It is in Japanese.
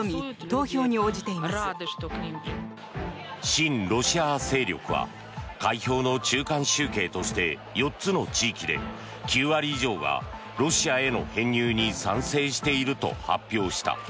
親ロシア派勢力は開票の中間集計として４つの地域で９割以上がロシアへの編入に賛成していると発表した。